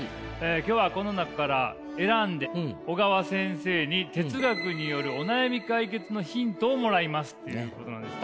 今日はこの中から選んで小川先生に哲学によるお悩み解決のヒントをもらいますということなんです。